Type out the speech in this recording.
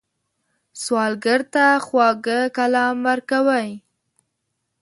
سوالګر ته خواږه کلام ورکوئ